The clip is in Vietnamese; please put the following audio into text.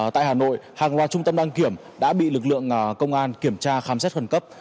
tại hà nội hàng loạt trung tâm đăng kiểm đã bị lực lượng công an kiểm tra khám xét khẩn cấp